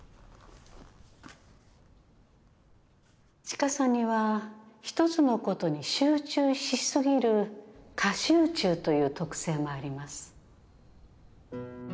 知花さんには一つのことに集中し過ぎる過集中という特性もあります